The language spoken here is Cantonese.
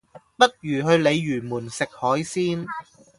不如去鯉魚門食海鮮？